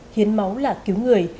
hiến máu là cứu người